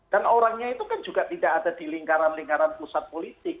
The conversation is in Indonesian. dan orangnya itu kan juga tidak ada di lingkaran lingkaran pusat politik